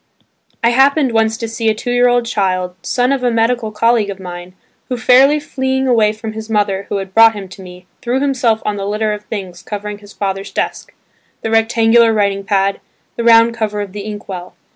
I happened once to see a two year old child, son of a medical colleague of mine, who, fairly fleeing away from his mother who had brought him to me, threw himself on the litter of things covering his father's desk, the rectangular writing pad, the round cover of the ink well.